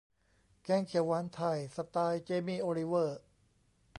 แกงเขียวหวานไทย สไตล์เจมี่ โอลิเวอร์